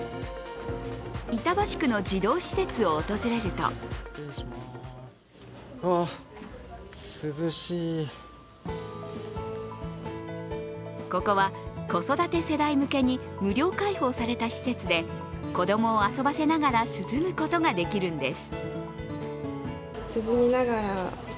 板橋区の児童施設を訪れるとここは子育て世代向けに無料開放された施設で子供を遊ばせながら涼むことができるんです。